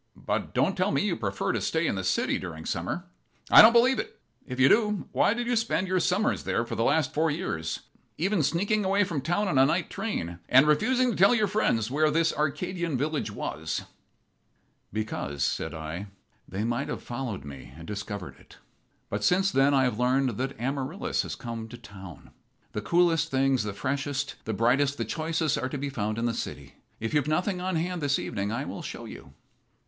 But don't tell me you prefer to stay in the city during summer. I don't believe it. If you do, why did you spend your summers there for the last four years, even sneaking away from town on a night train, and refusing to tell your friends where this Arcadian village was?" "Because," said I, "they might have followed me and discovered it. But since then I have learned that Amaryllis has come to town. The coolest things, the freshest, the brightest, the choicest, are to be found in the city. If you've nothing on hand this evening I will show you."